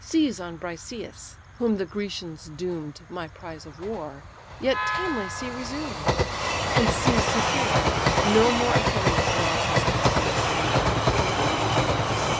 Seize on Briseïs, whom the Grecians doom'd My prize of war, yet tamely see resumed; And seize secure; no more Achilles draws His conquering sword in any woman's cause.